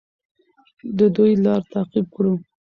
د دوی لار تعقیب کړو.